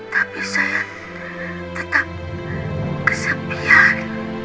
tapi saya tetap kesepian